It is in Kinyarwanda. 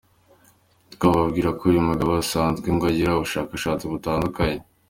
Twababwira ko uyu mugabo asanzwe ngo agira ubushakashatsi butandukanye.